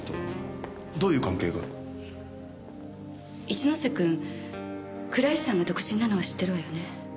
一ノ瀬君倉石さんが独身なのは知ってるわよね？